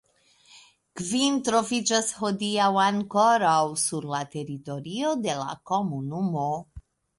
Kvin troviĝas hodiaŭ ankoraŭ sur la teritorio de la komunumo.